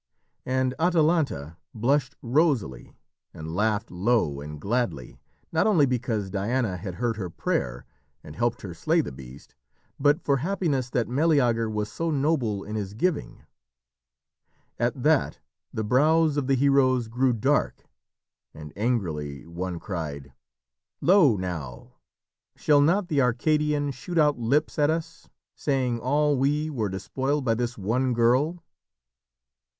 And Atalanta blushed rosily, and laughed low and gladly, not only because Diana had heard her prayer and helped her slay the beast, but for happiness that Meleager was so noble in his giving. At that the brows of the heroes grew dark, and angrily one cried: "Lo, now, Shall not the Arcadian shoot out lips at us, Saying all we were despoiled by this one girl."